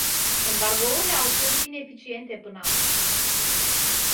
Embargourile au fost ineficiente până acum.